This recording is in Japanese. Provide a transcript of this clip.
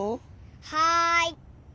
はい。